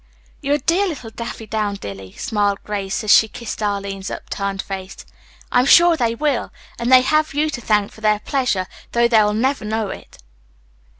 "You're a dear little Daffydowndilly," smiled Grace as she kissed Arline's upturned face. "I am sure they will, and they have you to thank for their pleasure, though they will never know it."